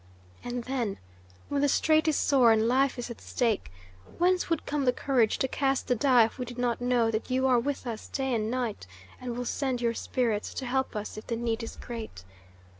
And then, when the strait is sore and life is at stake, whence would come the courage to cast the die if we did not know that you are with us day and night, and will send your spirits to help us if the need is great?